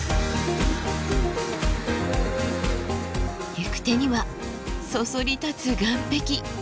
行く手にはそそり立つ岩壁。